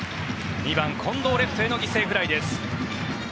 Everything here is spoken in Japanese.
２番、近藤レフトへの犠牲フライです。